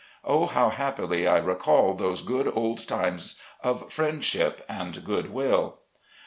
Oh, how happily I recall those good old times, of friendship and good will.